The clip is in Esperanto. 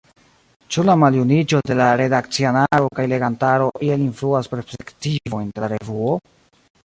Ĉu la maljuniĝo de la redakcianaro kaj legantaro iel influas perspektivojn de la revuo?